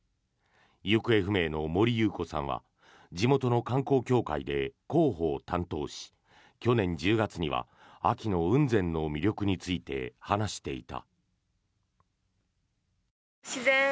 行方不明の森優子さんは地元の観光協会で広報を担当し去年１０月には秋の雲仙の魅力について話していた。